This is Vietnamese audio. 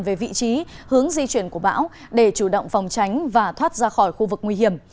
về vị trí hướng di chuyển của bão để chủ động phòng tránh và thoát ra khỏi khu vực nguy hiểm